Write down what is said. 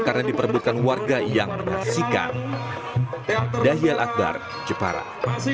karena diperbutkan warga yang menyaksikan